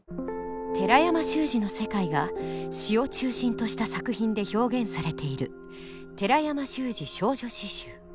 寺山修司の世界が詩を中心とした作品で表現されている「寺山修司少女詩集」。